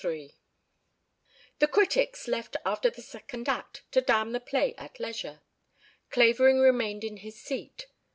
III The critics left after the second act to damn the play at leisure. Clavering remained in his seat.